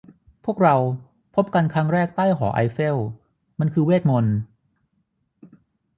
พวกเราพบกันครั้งแรกใต้หอไอเฟล มันคือเวทมนตร์